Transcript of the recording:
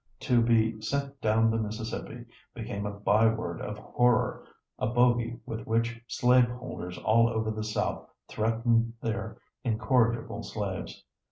To be "sent down the Mississippi" became a by word of horror, a bogie with which slave holders all over the South threatened their incorrigible slaves.